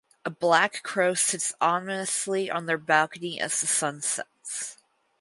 A black crow sits ominously on their balcony as the sun sets.